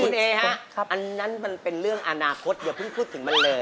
คุณเอฮะอันนั้นมันเป็นเรื่องอนาคตอย่าเพิ่งพูดถึงมันเลย